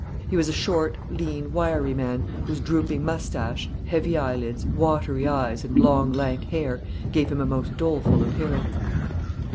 He was a short, lean, wiry man, whose drooping moustache, heavy eyelids, watery eyes and long, lank hair gave him a most doleful appearance.